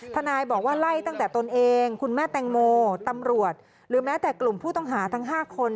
ทนายบอกว่าไล่ตั้งแต่ตนเองคุณแม่แตงโมตำรวจหรือแม้แต่กลุ่มผู้ต้องหาทั้ง๕คน